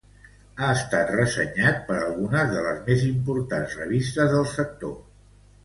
Ha estat ressenyat per algunes de les més importants revistes del sector.